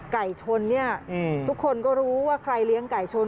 ไก่ชนเนี่ยทุกคนก็รู้ว่าใครเลี้ยงไก่ชน